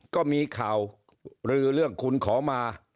ก็มีข่าวลือเรื่องคุณขอมา